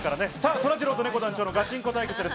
そらジローとねこ団長のガチンコ対決です。